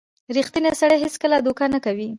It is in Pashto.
• ریښتینی سړی هیڅکله دوکه نه کوي.